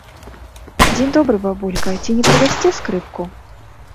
Дзень добры, бабулька, ці не прадасце скрыпку?